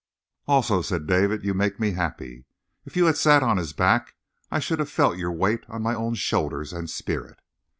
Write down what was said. "Also," said David, "you make me happy. If you had sat on his back I should have felt your weight on my own shoulders and spirit."